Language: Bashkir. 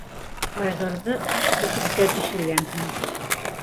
Айғырҙы аҡ күбеккә төшөргәнһең!